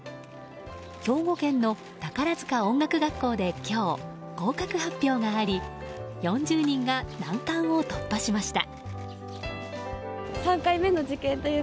兵庫県の宝塚音楽学校で今日合格発表があり４０人が難関を突破しました。